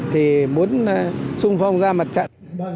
thì muốn sung phong ra mặt trận